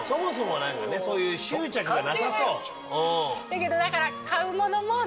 だけどだから。